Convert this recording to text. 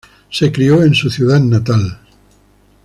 Se crio en su ciudad natal.